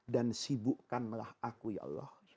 dan sibukkanlah aku ya allah